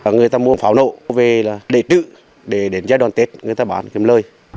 người ta mua pháo lậu về để trự để đến giai đoạn tết người ta bán kiếm lợi